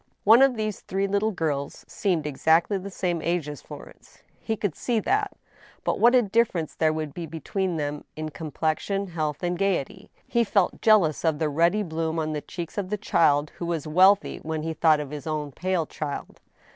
One of these three little girls seemed exactly the same age as Florence : he could see that ; but what a difference there was be tween them in complexion, health, and gayety I He felt jealous of the ruddy bloom on the cheeks of the child who was wealthy when he thought of his own pale child.